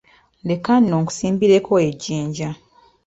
Leka nno nkusimbireko ejjinja.